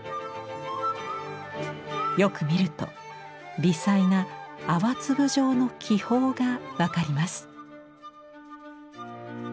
よく見ると微細な泡粒状の気泡が分かります。